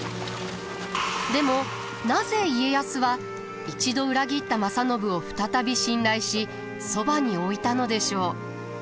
でもなぜ家康は一度裏切った正信を再び信頼しそばに置いたのでしょう？